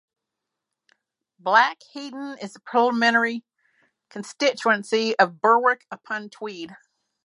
Black Heddon is in the parliamentary constituency of Berwick-upon-Tweed.